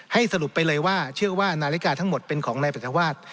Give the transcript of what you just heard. สรุปไปเลยว่าเชื่อว่านาฬิกาทั้งหมดเป็นของนายปรัฐวาส